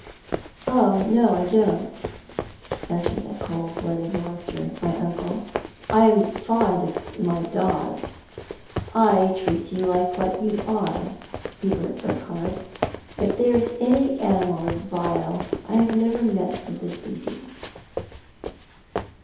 " Oh, no, I don't," answered that cold blooded monster, my uncle, " I am fond of my dogs. I treat you like what you are, Hubert Urquhart. If there's any animal as vile I have never met with the species."